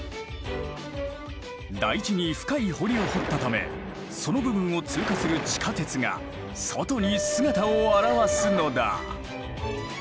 台地に深い堀を掘ったためその部分を通過する地下鉄が外に姿を現すのだ。